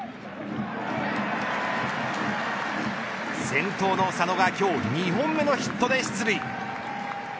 先頭の佐野が今日２本目のヒットで出塁。